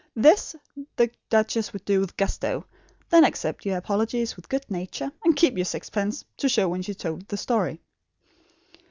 This the duchess would do with gusto; then accept your apologies with good nature; and keep your sixpence, to show when she told the story.